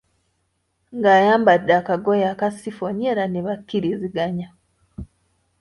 ng’ayambadde akagoye aka sifoni era ne bakkiriziganya.